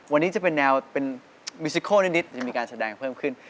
วันนี้จะเป็นแนวเป็นมิซิโคลนิดจะมีการแสดงเพิ่มขึ้น